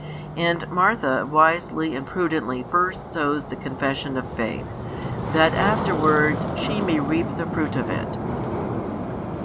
And Martha wisely and prudently first sows the confession of faith, that afterwards she may reap the fruit of it.